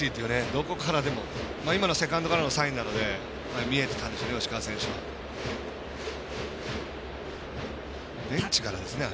どこからでも、今のはセカンドからのサインなので見えてたんですね。